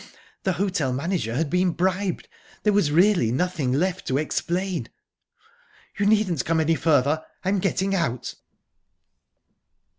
The hotel manager had been bribed. There was really nothing left to explain... "You needn't come any further. I'm getting out."